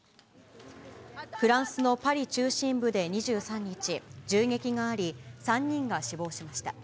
フランスのパリ中心部で２３日、銃撃があり、３人が死亡しました。